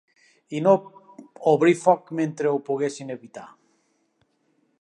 I no obrir foc mentre ho poguéssim evitar.